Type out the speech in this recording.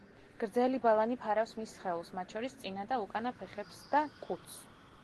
გრძელი ბალანი ფარავს მის სხეულს, მათ შორის, წინა და უკანა ფეხებს და კუდს.